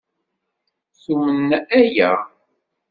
Tumen aya.